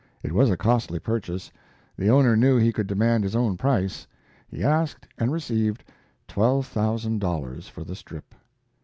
It was a costly purchase; the owner knew he could demand his own price; he asked and received twelve thousand dollars for the strip.